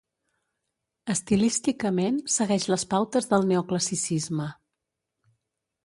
Estilísticament segueix les pautes del neoclassicisme.